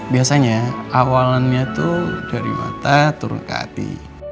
biasanya awalnya tuh dari mata turun ke hati